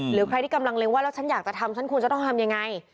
หรือใครที่กำลังเล็งว่าแล้วฉันอยากจะทำฉันควรจะต้องทำยังไง